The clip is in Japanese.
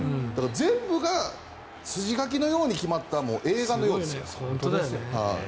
全部が筋書きのように決まったもう映画のようですよ。